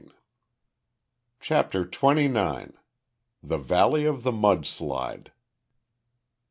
CHAPTER TWENTY NINE. THE VALLEY OF THE MUD SLIDE.